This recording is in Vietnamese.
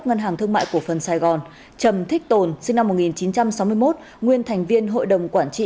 ngân hàng thương mại cổ phần sài gòn trầm thích tồn sinh năm một nghìn chín trăm sáu mươi một nguyên thành viên hội đồng quản trị